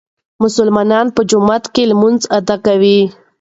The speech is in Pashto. مسلمانان په جومات کې لمونځ ادا کوي.